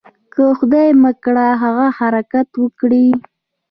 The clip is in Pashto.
که خدای مه کړه هغه حرکت وکړي.